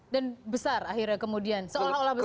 dan besar akhirnya kemudian seolah olah besar